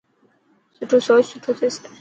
سٺو سوچ سٺو ٿيسي.